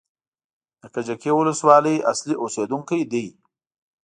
د کجکي ولسوالۍ اصلي اوسېدونکی دی.